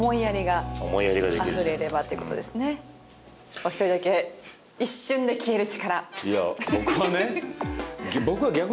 お一人だけ、一瞬で消える力。